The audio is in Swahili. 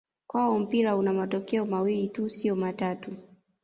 Kwao mpira una matokeo mawili tu sio matatu